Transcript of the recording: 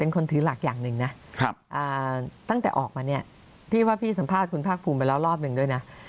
ก็หลายรายการนะ